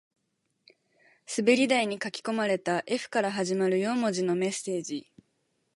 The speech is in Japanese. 滑り台に書き込まれた Ｆ から始まる四文字のメッセージ